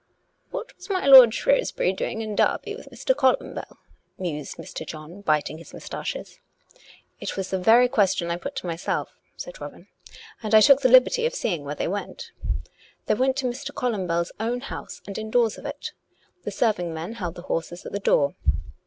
" What was my lord Shrewsbury doing in Derby with Mr. Columbell? " mused Mr. John, biting his moustaches. " It was the very question I put to myself," said Robin. " And I took the liberty of seeing where they went. They went to Mr. Columbell's own house, and indoors of it. The serving men held the horses at the door.